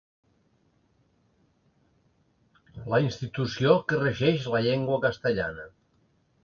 La institució que regeix la llengua castellana.